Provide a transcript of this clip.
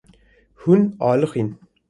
Hûn aliqîn.